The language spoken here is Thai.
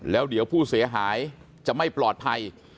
แล้วเดี๋ยวผู้เสียหายจะไม่ปลอดภัย